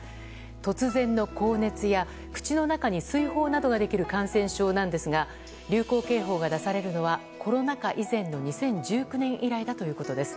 突然の高熱や口の中に水疱などができる感染症なんですが流行警報が出されるのはコロナ禍以前の２０１９年以来だということです。